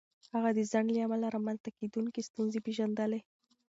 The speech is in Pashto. هغه د ځنډ له امله رامنځته کېدونکې ستونزې پېژندلې.